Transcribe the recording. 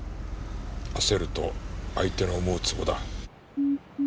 焦ると相手の思うつぼだ。